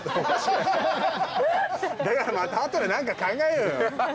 だからまた後で何か考えようよ。